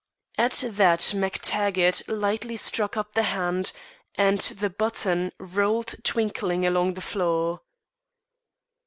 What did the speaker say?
At that MacTaggart lightly struck up the hand, and the button rolled twinkling along the floor.